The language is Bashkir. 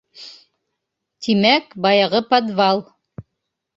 Тимәк, баяғы подвал.